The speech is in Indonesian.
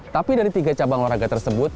tapi dari tiga cabang olahraga tersebut